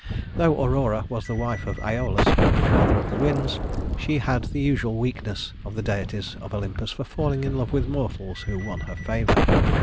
Though Aurora was the wife of Æolus and mother of the winds, she had the usual weakness of the deities of Olympus for falling in love with mortals who won her favor.